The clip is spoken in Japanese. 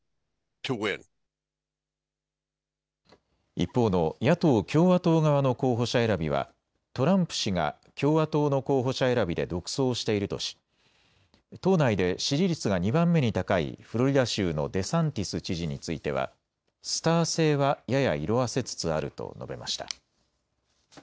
一方の野党・共和党側の候補者選びはトランプ氏が共和党の候補者選びで独走しているとし党内で支持率が２番目に高いフロリダ州のデサンティス知事についてはスター性はやや色あせつつあると述べました。